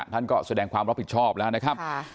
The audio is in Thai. ท่านก็แสดงความรับผิดชอบแล้วนะครับ